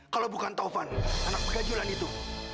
kalau bukan taufan anak pegajulan itu